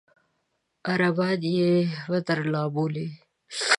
عربان یې بئر الأرواح بولي.